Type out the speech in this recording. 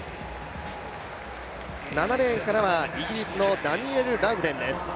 ７レーンからはイギリスのダニエル・ラウデンです。